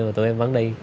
mà tụi em vẫn đi